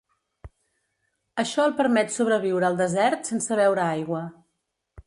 Això el permet sobreviure al desert sense beure aigua.